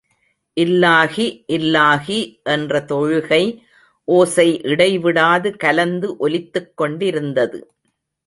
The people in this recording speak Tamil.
இல்லாஹி இல்லாஹி என்ற தொழுகை ஓசை இடைவிடாது கலந்து ஒலித்துக் கொண்டிருந்தது.